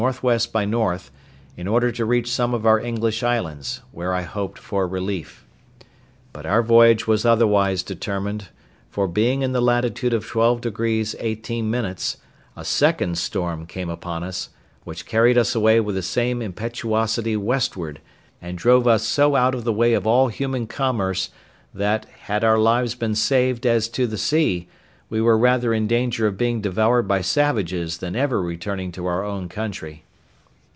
W. by W., in order to reach some of our English islands, where I hoped for relief. But our voyage was otherwise determined; for, being in the latitude of twelve degrees eighteen minutes, a second storm came upon us, which carried us away with the same impetuosity westward, and drove us so out of the way of all human commerce, that, had all our lives been saved as to the sea, we were rather in danger of being devoured by savages than ever returning to our own country.